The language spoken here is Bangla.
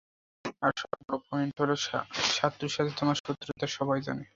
আর সবথেকে বড় পয়েন্ট হলো, সাত্তুর সাথে তোমার শত্রুতা, সবাই জানে।